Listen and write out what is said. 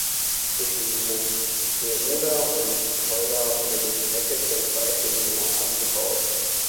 Zwischen Menteroda und Keula wurde die Strecke schon vor etlichen Jahren abgebaut.